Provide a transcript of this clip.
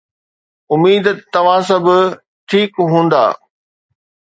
اميد ته توهان سڀ ٺيڪ هوندا.